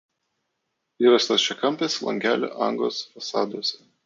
Yra stačiakampės langelių angos fasaduose.